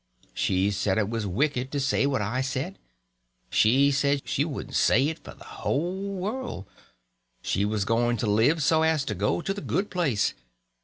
She said it was wicked to say what I said; said she wouldn't say it for the whole world; she was going to live so as to go to the good place.